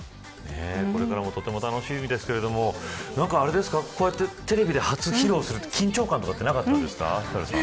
これからもとても楽しみですけれどこうやってテレビで初披露するのは緊張感とかありませんでしたか。